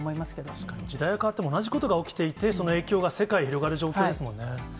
確かに、時代は変わっても同じことが起きていて、その影響が世界に広がる状況ですものね。